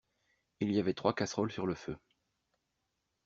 Il y avait trois casseroles sur le feu.